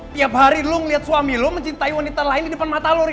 tiap hari lu ngeliat suami lu mencintai wanita lain di depan mata lu ri